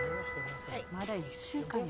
・まだ１週間やろ？